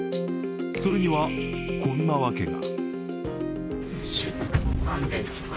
それには、こんなわけが。